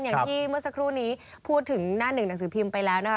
อย่างที่เมื่อสักครู่นี้พูดถึงหน้าหนึ่งหนังสือพิมพ์ไปแล้วนะคะ